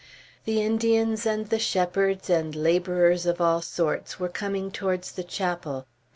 The Indians and the shepherds, and laborers of all sorts, were coming towards the chapel.